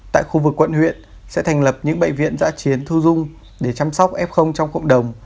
tại khu vực quận huyện sẽ thành lập những bệnh viện giã chiến thu dung để chăm sóc f trong cộng đồng